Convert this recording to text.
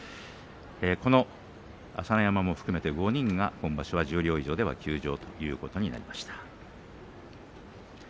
この朝乃山も含めて５人が今場所は十両以上では休場ということになりました。